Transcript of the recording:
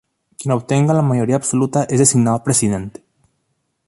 Quien obtenga la mayoría absoluta es designado presidente.